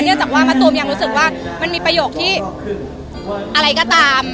จากว่ามะตูมยังรู้สึกว่ามันมีประโยคที่อะไรก็ตาม